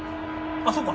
あっそうか。